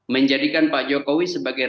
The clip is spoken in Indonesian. menjadikan pak jokowi sebagai